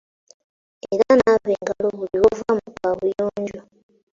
Era naaba engalo buli lw’ova mu kaabuyonjo.